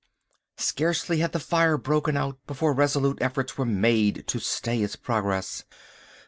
Scarcely had the fire broken out before resolute efforts were made to stay its progress.